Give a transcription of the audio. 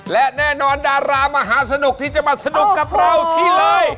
และแน่นอนดารามหาสนุกที่จะมาสนุกกับเราที่เลย